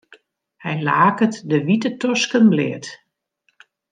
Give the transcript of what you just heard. Hy laket de wite tosken bleat.